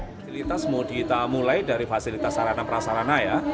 fasilitas mau ditamulai dari fasilitas sarana prasarana ya